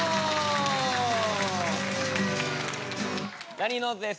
ラニーノーズです。